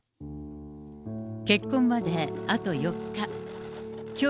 結婚まであと４日。